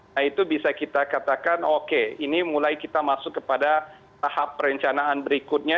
nah itu bisa kita katakan oke ini mulai kita masuk kepada tahap perencanaan berikutnya